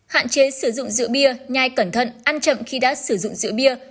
hạn chế sử dụng rượu bia nhai cẩn thận ăn chậm khi đã sử dụng rượu bia